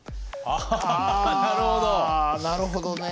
あなるほどね。